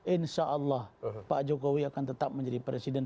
insya allah pak jokowi akan tetap menjadi presiden